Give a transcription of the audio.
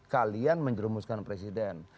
kalian menjerumuskan presiden